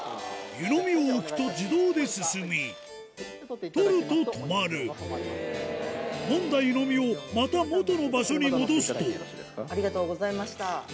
湯飲みを置くと自動で進み取ると止まる飲んだ湯飲みをまた元の場所に戻すとありがとうございました！